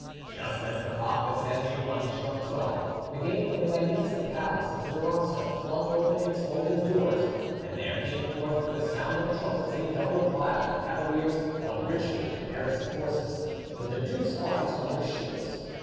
Just as the clock of San Giovanni struck twelve, the gate of the magnificent palace of the Durazzo flung open its folding doors, and there came forth to the sound of trumpets a double file of cavaliers on richly caparisoned horses, with the duke's arms on their shields.